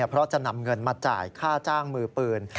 เพราะจะนำเงินมาจ่ายค่าจ้างมือปืน